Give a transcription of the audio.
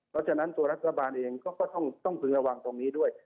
เพราะฉะนั้นตัวรัฐบาลเองก็ต้องพึงระวังตรงนี้ด้วย